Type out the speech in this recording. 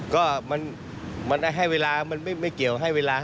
ก็มันให้เวลามันไม่เกี่ยวให้เวลา